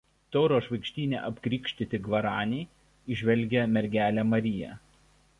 Tauro žvaigždyne apkrikštyti gvaraniai įžvelgia Mergelę Mariją.